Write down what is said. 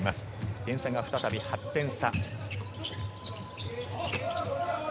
点差が再び８点差。